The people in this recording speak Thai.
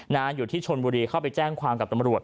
อยู่ที่ชนบุรีเข้าไปแจ้งความกับตำรวจ